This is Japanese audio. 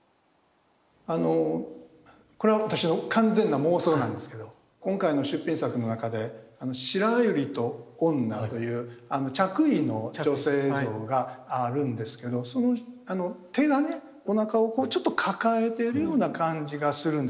これは私の完全な妄想なんですけど今回の出品作の中で「白百合と女」という着衣の女性像があるんですけどその手がねおなかをちょっと抱えてるような感じがするんですよ。